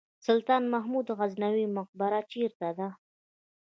سلطان محمود غزنوي مقبره چیرته ده؟